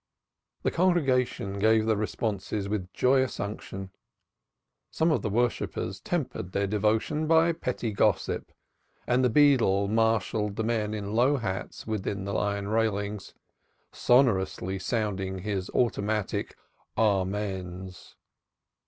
The congregation gave the responses with joyous unction. Some of the worshippers tempered their devotion by petty gossip and the beadle marshalled the men in low hats within the iron railings, sonorously sounding his automatic amens.